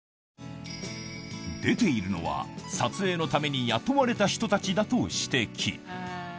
出ているのは、撮影のために雇われた人たちだと指摘。